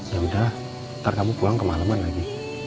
yaudah ntar kamu pulang ke maleman lagi